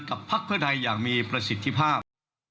กับภักษ์เพื่อใดอย่างมีประสิทธิภาพ